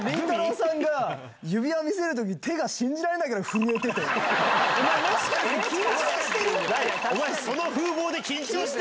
さんが指輪見せるとき、手が信じられないぐらい震えてて。